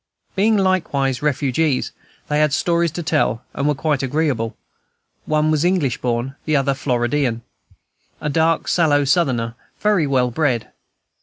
Being likewise refugees, they had stories to tell, and were quite agreeable: one was English born, the other Floridian, a dark, sallow Southerner, very well bred.